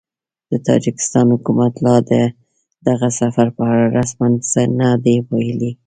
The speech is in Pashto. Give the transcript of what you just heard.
د تاجکستان حکومت لا د دغه سفر په اړه رسماً څه نه دي ویلي